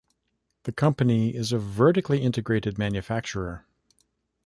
The company is a vertically integrated manufacturer.